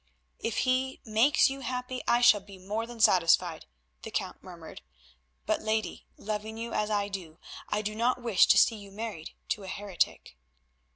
"If he makes you happy I shall be more than satisfied," the Count murmured, "but, lady, loving you as I do, I do not wish to see you married to a heretic."